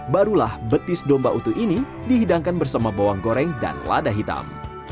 barulah betis domba utuh ini dihidangkan bersama bawang goreng dan lada hitam